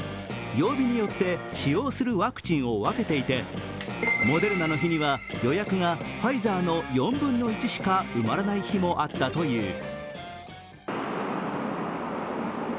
曜日によって使用するワクチンを分けていてモデルナの日には予約がファイザーの４分の１しか埋まらない日もあったという。